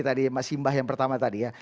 tadi mas imbah yang pertama tadi ya